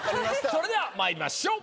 それでは参りましょう。